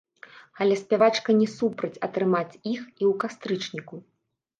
Але спявачка не супраць атрымаць іх і ў кастрычніку.